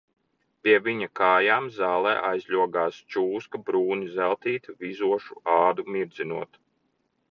Pie viņa kājām zālē aizļogās čūska brūni zeltītu, vizošu ādu mirdzinot.